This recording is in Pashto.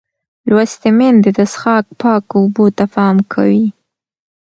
لوستې میندې د څښاک پاکو اوبو ته پام کوي.